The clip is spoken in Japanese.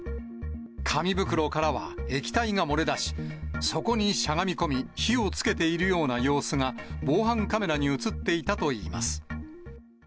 紙袋からは液体が漏れ出し、そこにしゃがみ込み、火をつけているような様子が、防犯カメラに写っていたといいます。